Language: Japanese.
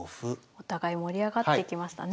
お互い盛り上がってきましたね。